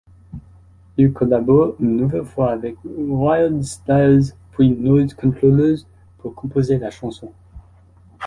Il collabore une nouvelle fois avec Wildstylez puis Noisecontrollers pour composer la chanson '.